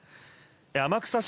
天草市